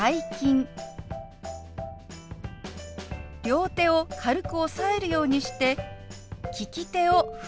両手を軽く押さえるようにして利き手を振ります。